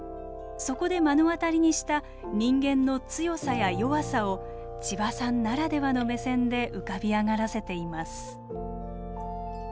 そこで目の当たりにした人間の強さや弱さをちばさんならではの目線で浮かび上がらせています。